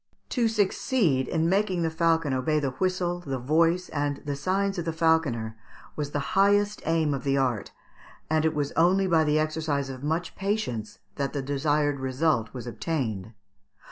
To succeed in making the falcon obey the whistle, the voice, and the signs of the falconer was the highest aim of the art, and it was only by the exercise of much patience that the desired resuit was obtained.